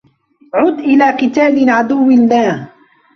عُدْ إلَى قِتَالِ عَدُوِّ اللَّهِ